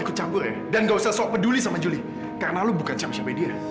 aku tahu ini akan melukai perasaan kamu